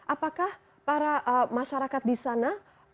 apakah para masyarakat di sana akan mengunggah